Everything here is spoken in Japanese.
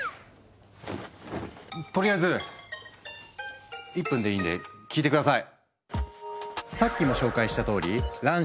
とりあえず１分でいいんで聞いて下さい。